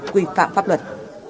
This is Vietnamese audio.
quy phạm pháp luật